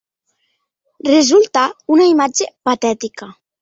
Resulta una imatge patètica.